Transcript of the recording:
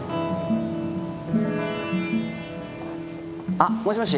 あもしもし